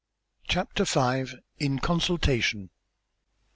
CHAPTER V. IN CONSULTATION.